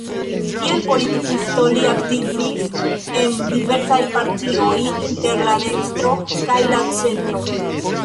Kiel politikisto li aktivis en diversaj partioj inter la dekstro kaj la centro.